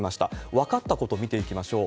分かったこと見ていきましょう。